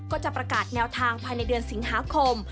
ก็จะประกาศแนวทางภายในเดือนสิงหาคม